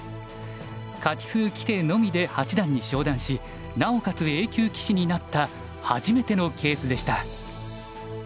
勝数規定のみで八段に昇段しなおかつＡ級棋士になった初めてのケースでした。